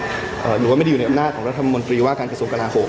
หรือว่าไม่ได้อยู่ในอำนาจของรัฐมนตรีว่าการกระทรวงกราโหม